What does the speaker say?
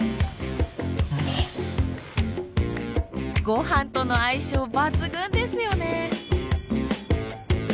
ご飯との相性抜群ですよね。